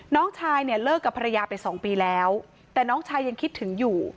น้องชายเนี่ยเลิกกับภรรยาไปสองปีแล้วแต่น้องชายยังคิดถึงอยู่